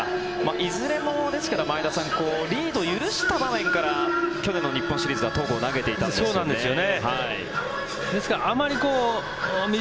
いずれも前田さんリードを許した場面から去年の日本シリーズは戸郷、投げていたんですよね。